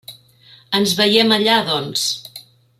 Ens veiem allà, doncs!